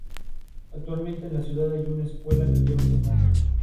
Áreas más pequeñas están en el cantón suizo de St.